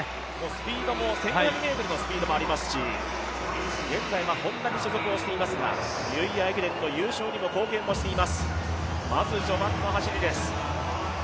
スピードも１５００ｍのスピードもありますし現在はＨｏｎｄａに所属していますが、ニューイヤー駅伝の優勝にも貢献しています、まず序盤の走りです。